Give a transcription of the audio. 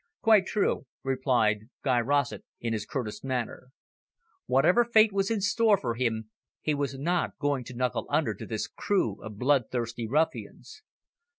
"Quite true," replied Guy Rossett in his curtest manner. Whatever fate was in store for him, he was not going to knuckle under to this crew of bloodthirsty ruffians.